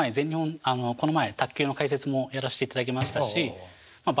この前卓球の解説もやらせていただきましたしまあ